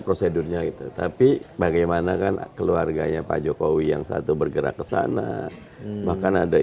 prosedurnya itu tapi bagaimana kan keluarganya pak jokowi yang satu bergerak ke sana bahkan ada